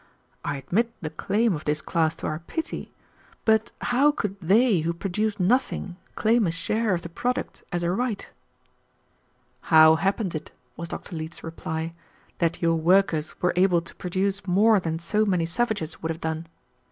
"I admit the claim of this class to our pity, but how could they who produced nothing claim a share of the product as a right?" "How happened it," was Dr. Leete's reply, "that your workers were able to produce more than so many savages would have done?